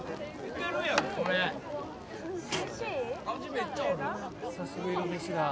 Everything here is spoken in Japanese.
めっちゃある・久しぶりの飯だ